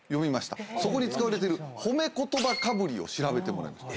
そこに使われている褒め言葉かぶりを調べてもらいました。